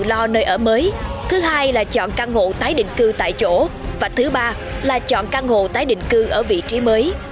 thứ một là chọn nơi ở mới thứ hai là chọn căn hộ tái định cư tại chỗ và thứ ba là chọn căn hộ tái định cư ở vị trí mới